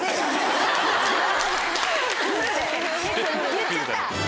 言っちゃった。